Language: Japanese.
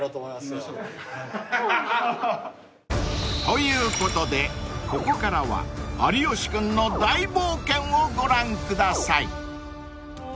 ［ということでここからは有吉君の大冒険をご覧ください］